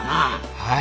はい。